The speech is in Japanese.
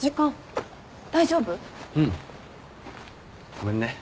ごめんね。